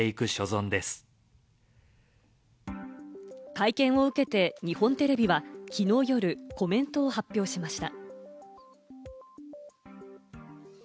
会見を受けて、日本テレビはきのう夜、コメントを発表しました。